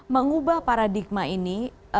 mengubah paradigma ini